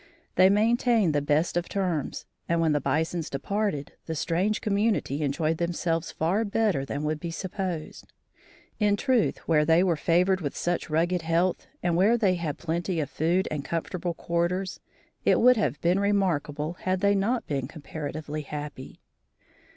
They maintained the best of terms, and when the bisons departed, the strange community enjoyed themselves far better than would be supposed. In truth where they were favored with such rugged health and where they had plenty of food and comfortable quarters, it would have been remarkable had they not been comparatively happy.